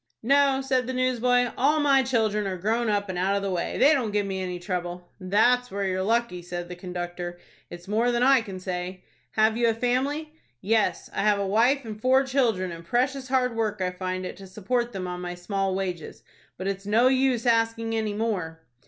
"No," said the newsboy, "all my children are grown up and out of the way. They don't give me any trouble." "That's where you're lucky," said the conductor. "It's more than I can say." "Have you a family?" "Yes, I have a wife and four children, and precious hard work I find it to support them on my small wages. But it's no use asking any more."